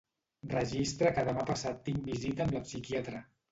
Registra que demà passat tinc visita amb la psiquiatra.